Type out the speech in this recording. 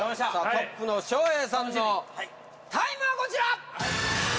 トップの笑瓶さんのタイムはこちら！